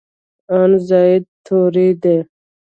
ان زاید توري دي.